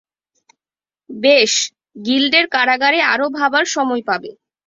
বেশ, গিল্ডের কারাগারে আরো ভাবার সময় পাবে।